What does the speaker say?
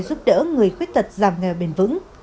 giúp đỡ người khuyết tật giảm nghèo bền vững